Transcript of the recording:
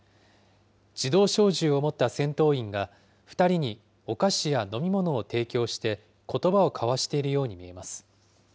自動小銃を持った戦闘員が、２人にお菓子や飲み物を提供して、ことばを交わしているように見えます。